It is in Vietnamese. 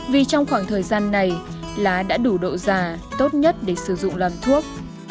vì trong khoảng thời gian này lá đã đủ độ già tốt nhất để sử dụng làm thuốc